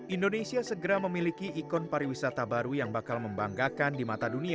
indonesia segera memiliki ikon pariwisata baru yang bakal membanggakan di mata dunia